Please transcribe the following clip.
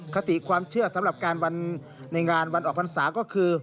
คติความเชื่อสำหรับการในงานวันออกพรรษาก็คือ